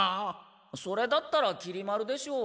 それだったらきり丸でしょう。